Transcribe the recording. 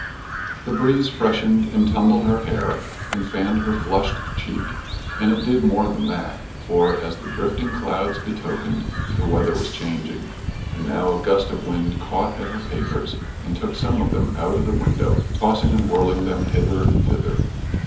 The breeze freshened and tumbled her hair and fanned her flushed cheek, and it did more than that; for, as the drifting clouds betokened, the weather was changing, and now a gust of wind caught at her papers and took some of them out of the window, tossing and whirling them hither and thither.